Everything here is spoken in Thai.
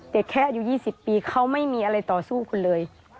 แต่แค่อายุ๒๐ปีเขาไม่มีอะไรต่อสู้คุณเลย